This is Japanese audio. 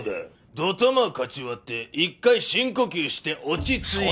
ドタマかち割って一回深呼吸して落ち着いて。